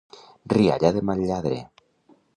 Rialla de mal lladre.